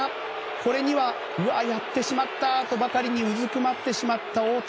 これにはうわあ、やってしまったとうずくまってしまった大谷。